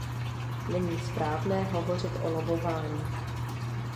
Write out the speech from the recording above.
Není správné hovořit o lobbování.